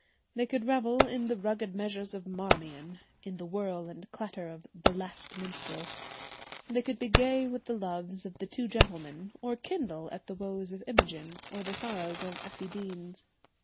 They could revel in the rugged measures of 'Marmion,' in the whirl and clatter of the 'Last Minstrel.' They could be gay with the loves of the Two Gentlemen, or kindle at the woes of Imogen or the sorrows of Effie Deans.